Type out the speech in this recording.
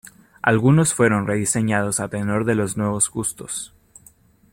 Algunos fueron rediseñados a tenor de los nuevos gustos.